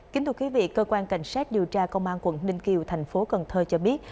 kính thưa quý vị cơ quan cảnh sát điều tra công an quận ninh kiều thành phố cần thơ cho biết